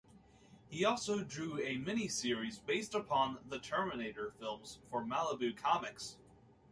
He also drew a mini series based upon "The Terminator" films for Malibu Comics.